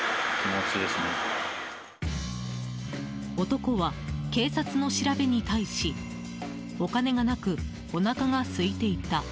男は警察の調べに対しお金がなくおなかがすいていた。